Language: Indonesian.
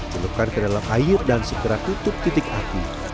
celupkan ke dalam air dan segera tutup titik api